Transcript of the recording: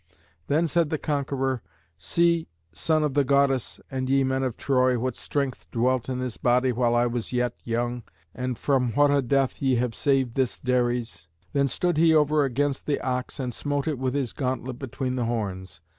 Then said the conqueror, "See, son of the goddess, and ye men of Troy, what strength dwelt in this body while I was yet young, and from what a death ye have saved this Dares." Then stood he over against the ox and smote it with his gauntlet between the horns.